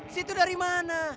situ dari mana